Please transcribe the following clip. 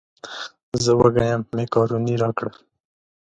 زه وږی یم مېکاروني راکړه.